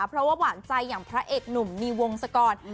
เพราะพี่ใจในพระเอกหนุ่มในวงสกร